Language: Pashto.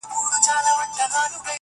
اوس به له چا سره کیسه د شوګیریو کوم -